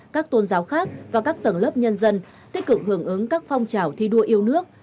các tôn giáo khác và các tầng lớp nhân dân tích cực hưởng ứng các phong trào thi đua yêu nước